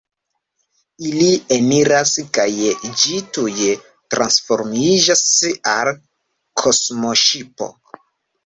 Ili eniras kaj ĝi tuj transformiĝas al kosmoŝipo.